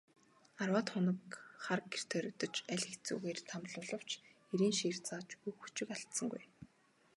Арваад хоног хар гэрт хоригдож, аль хэцүүгээр тамлуулавч эрийн шийр зааж үг өчиг алдсангүй.